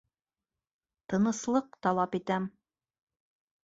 Тыныслыҡ талап итәм!